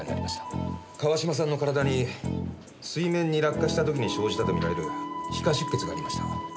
川島さんの体に水面に落下した時に生じたとみられる皮下出血がありました。